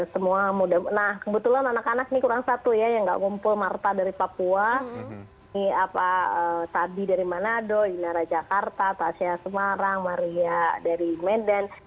semua muda nah kebetulan anak anak ini kurang satu ya yang gak ngumpul marta dari papua sabi dari manado inara jakarta tasya semarang maria dari medan